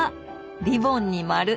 リボンに丸。